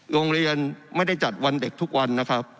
โรงเรียนไม่ได้จัดวันเด็กทุกวันนะครับ